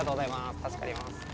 助かります。